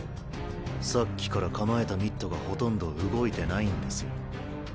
さっきから構えたミットがほとんど動いてないんですよ。